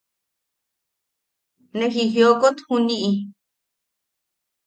¡Ne jijiok juniʼi!